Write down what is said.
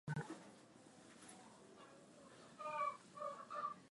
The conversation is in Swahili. Tuache hayo lakini hapa swali linazuka kuhusiana na kifo cha Sheikh Karume